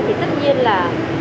thì tất nhiên là